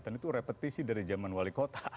itu repetisi dari zaman wali kota